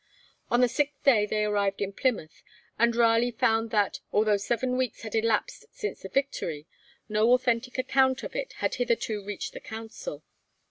On the sixth day they arrived in Plymouth, and Raleigh found that, although seven weeks had elapsed since the victory, no authentic account of it had hitherto reached the Council.